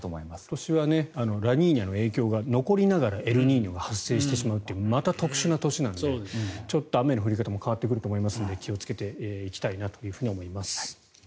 今年はラニーニャの影響が残りながらエルニーニョが発生してしまうというまた特殊な年なのでちょっと雨の降り方も変わってくると思いますので気をつけていきたいなと思います。